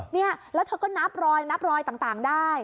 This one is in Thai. นี่แล้วเธอก็นับรอยต่างได้